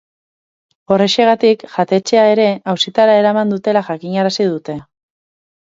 Horrexegatik, jatetxeaere auzitara eraman dutela jakinarazi dute.